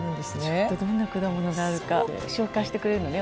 ちょっとどんな果物があるか紹介してくれるのね